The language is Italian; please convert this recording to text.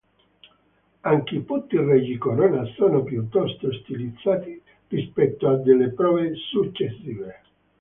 Anche i putti reggi corona sono piuttosto stilizzati rispetto a delle prove successive.